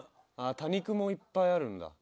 多肉もいっぱいあるんだ。